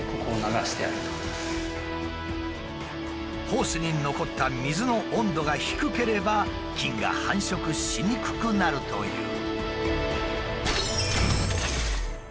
ホースに残った水の温度が低ければ菌が繁殖しにくくなるという。